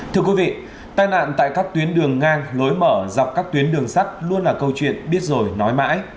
thưa quý vị tai nạn tại các tuyến đường ngang lối mở dọc các tuyến đường sắt luôn là câu chuyện biết rồi nói mãi